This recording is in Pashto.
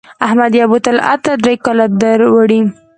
احمد یو بوتل عطر درې کاله دوړوي.